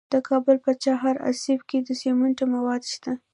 د کابل په چهار اسیاب کې د سمنټو مواد شته.